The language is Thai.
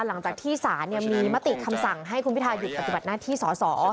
หลังจากที่ศาลมีมติคำสั่งให้คุณพิทาหยุดปฏิบัติหน้าที่สอสอ